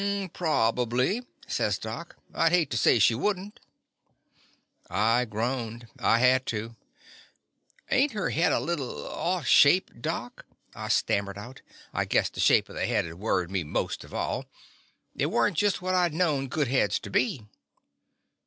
"Probably," says Doc. "I 'd hate to say she would n't." I groaned. I had to. "Ain't her head a little off shape, Doc?" I stammered out. I guess the shape of the head had worried me most of all. It was n't just what I 'd known good heads to be.